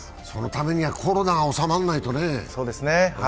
そのためにはコロナが収まらないとね。